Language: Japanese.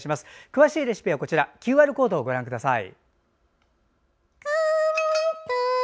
詳しいレシピはＱＲコードご覧ください。